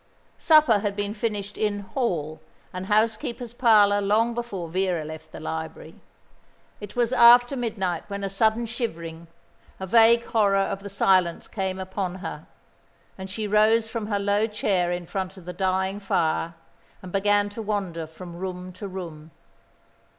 Supper had been finished in "hall" and housekeeper's parlour long before Vera left the library. It was after midnight when a sudden shivering, a vague horror of the silence came upon her, and she rose from her low chair in front of the dying fire and began to wander from room to room.